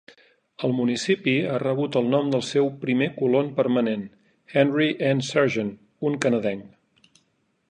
El municipi ha rebut el nom del seu primer colon permanent, Henry N. Sargeant, un canadenc.